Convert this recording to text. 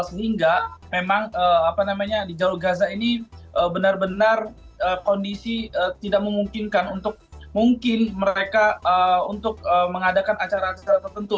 sehingga memang di jalur gaza ini benar benar kondisi tidak memungkinkan untuk mungkin mereka untuk mengadakan acara acara tertentu